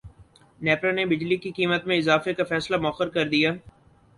نیپرا نے بجلی کی قیمت میں اضافے کا فیصلہ موخر کردیا